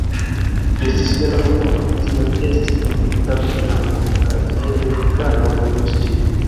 Estis vera honoro tiel esti protektata de Janko, kaj fiere Karlo ĝuis ĝin.